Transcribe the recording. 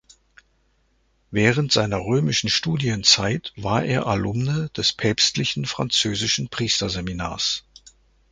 Während seiner römischen Studienzeit war er Alumne des Päpstlichen Französischen Priesterseminars.